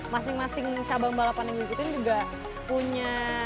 masing masing cabang balapan yang ngikutin juga punya